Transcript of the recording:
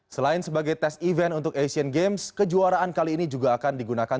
selain sebagai tes event untuk asian games kejuaraan kali ini juga akan digunakan